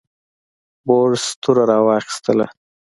بوریس توره راواخیستله.